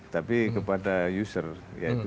tapi kepada user yaitu